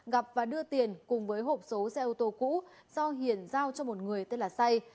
gặp và đưa tiền cùng với hộp số xe ô tô cũ do hiền giao cho một người tên là say